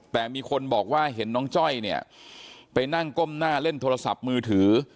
แต่มีคนบอกว่าเห็นน้องจ้อยเนี่ยไปนั่งก้มหน้าเล่นโทรศัพท์มือถือ